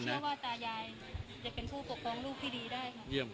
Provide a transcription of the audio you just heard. คุณต้องเชื่อว่าตายายจะเป็นคู่ปกปรองลูกที่ดีได้